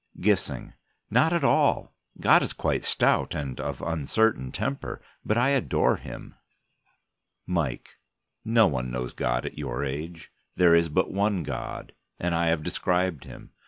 GISSING: Not at all. God is quite stout, and of uncertain temper, but I adore Him. MIKE: No one knows God at your age. There is but one God, and I have described Him.